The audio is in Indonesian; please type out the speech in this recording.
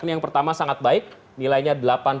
yang pertama sangat baik nilainya delapan puluh enam seratus